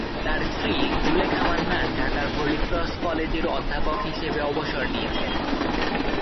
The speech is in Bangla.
তার স্ত্রী জুলেখা মান্নান ঢাকার হলিক্রস কলেজের অধ্যাপক হিসেবে অবসর নিয়েছেন।